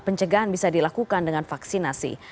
pencegahan bisa dilakukan dengan vaksinasi